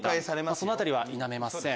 そのあたりは否めません。